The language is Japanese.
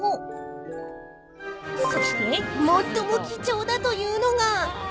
［そして最も貴重だというのが］